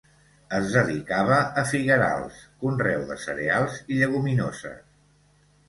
Es dedicava a figuerals, conreu de cereals i lleguminoses.